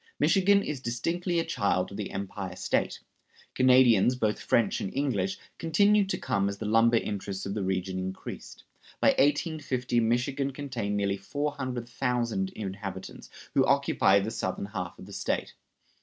Michigan is distinctly a child of the Empire State. Canadians, both French and English, continued to come as the lumber interests of the region increased. By 1850 Michigan contained nearly 400,000 inhabitants, who occupied the southern half of the State.